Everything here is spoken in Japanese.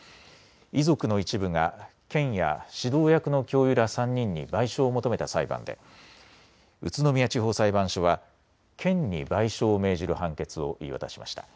遺族の一部が県や指導役の教諭ら３人に賠償を求めた裁判で宇都宮地方裁判所は県に賠償を命じる判決を言い渡しました。